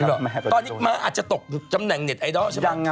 เอ่อคือเมื่อบ้าน